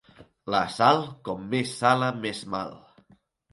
La sal, com més sala més mal.